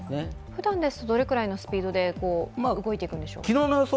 ふだんですとどれくらいのスピードで動いていくんでしょう？